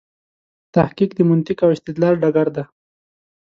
تحقیق د منطق او استدلال ډګر دی.